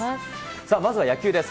さあ、まずは野球です。